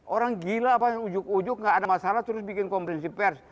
orang gila apa yang ujug ujuk gak ada masalah terus bikin konferensi pers